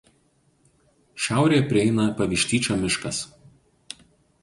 Šiaurėje prieina Pavištyčio miškas.